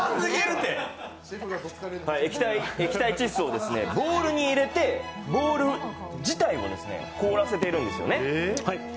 液体窒素をボウルに入れて、ボウル自体を凍らせているんですよね。